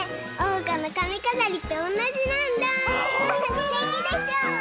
すてきでしょ？